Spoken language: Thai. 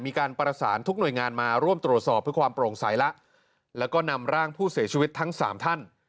มีการประสานทุกหน่วยงานมาร่วมตรวจสอบเพื่อความโปร่งใสแล้วแล้วก็นำร่างผู้เสียชีวิตทั้งสามท่าน